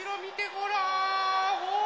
ほら！